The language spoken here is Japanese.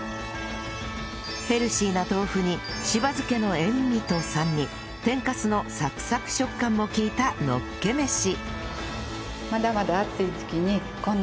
ヘルシーな豆腐にしば漬けの塩味と酸味天かすのサクサク食感も利いたのっけ飯